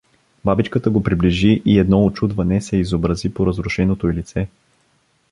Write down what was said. Бабичката го приближи и едно очудване се изобрази по разрушеното й лице.